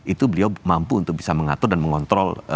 itu beliau mampu untuk bisa mengatur dan mengontrol